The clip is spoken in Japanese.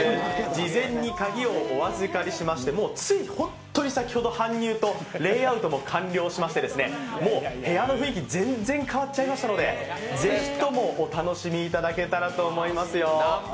事前に鍵をお預かりしまして、つい本当に先ほど、搬入とレイアウトも完了しましてもう部屋の雰囲気、全然変わっちゃいましたのでぜひともお楽しみいただけたらと思いますよ。